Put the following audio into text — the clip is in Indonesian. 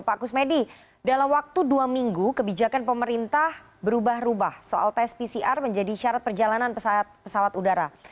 pak kusmedi dalam waktu dua minggu kebijakan pemerintah berubah rubah soal tes pcr menjadi syarat perjalanan pesawat udara